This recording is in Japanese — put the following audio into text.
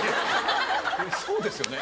そうですよね。